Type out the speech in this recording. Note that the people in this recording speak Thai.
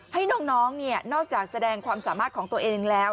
ให้น้องนอกจากแสดงความสามารถของตัวเองแล้ว